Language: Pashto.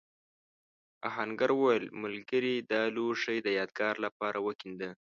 آهنګر وویل ملګري دا لوښی د یادگار لپاره وکېنده.